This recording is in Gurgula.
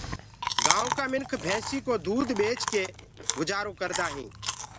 گآيونٚ ڪآ مِنک ڀيسينٚ ڪو دود ٻيچ ڪي گجآرو ڪردآ هينٚ۔